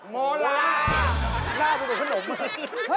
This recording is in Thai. โมล่าหน้าดูเป็นขนมเหรอ